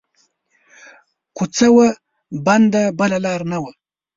کو څه وه بنده بله لار نه وه